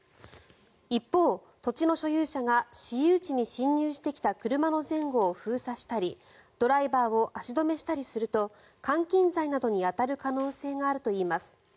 一方、土地の所有者が私有地に進入してきた車の前後を封鎖したりドライバーを足止めしたりすると監禁罪などに当たる可能性があるといいます。